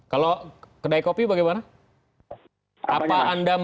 kalau kedai kopi bagaimana